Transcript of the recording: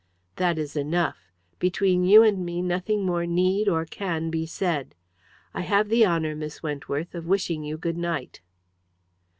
"That is enough. Between you and me nothing more need, or can, be said. I have the honour, Miss Wentworth, of wishing you goodnight."